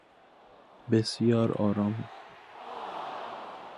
بسیار آرام